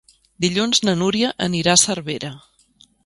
Dilluns na Núria anirà a Cervera.